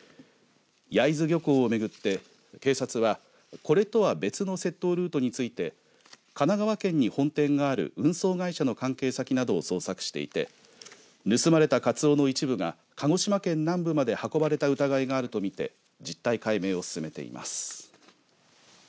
焼津漁港をめぐって警察は、これとは別の窃盗ルートについて神奈川県に本店がある運送会社の関係先などを捜索していて盗まれたカツオの一部が鹿児島県南部まで運ばれた疑いがあるとみて実態解明を進めています。